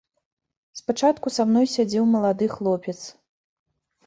Спачатку са мной сядзеў малады хлопец.